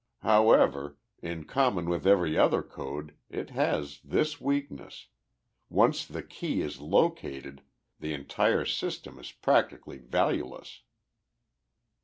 However, in common with every other code, it has this weakness once the key is located the entire system is practically valueless.